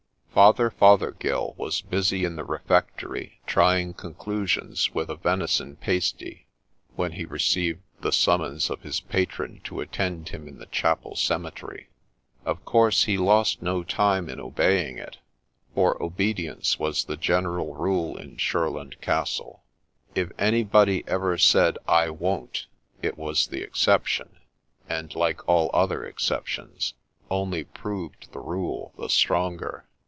Father Fothergill was busy in the refectory trying conclusions with a venison pasty, when he received the summons of his patron to attend him in the chapel cemetery. Of course he lost no time in obeying it, for obedience was the general rule in Shurland Castle. If anybody ever said ' I won't,' it was the exception ; and, like all other exceptions, only proved the rule the stronger.